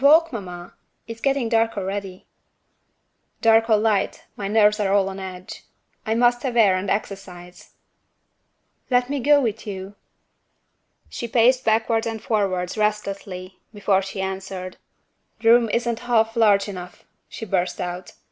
"A walk, mamma? It's getting dark already." "Dark or light, my nerves are all on edge I must have air and exercise." "Let me go with you?" She paced backwards and forwards restlessly, before she answered. "The room isn't half large enough!" she burst out.